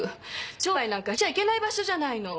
商売なんかしちゃいけない場所じゃないの！